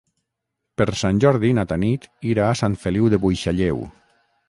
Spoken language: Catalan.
Per Sant Jordi na Tanit irà a Sant Feliu de Buixalleu.